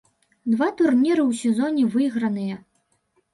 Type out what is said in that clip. Два турніры ў сезоне выйграныя.